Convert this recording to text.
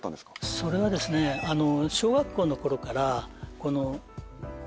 それはですね小学校のころから。